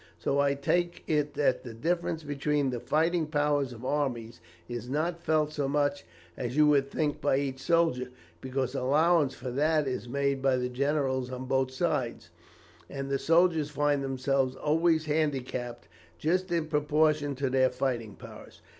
So I take it that the difference between the fighting powers of armies is not felt so much as you would think by each soldier, because allowance for that is made by the generals on both sides, and the soldiers find themselves always handicapped just in proportion to their fighting powers.